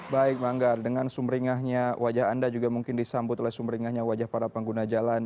baik manggar dengan sumringahnya wajah anda juga mungkin disambut oleh sumringahnya wajah para pengguna jalan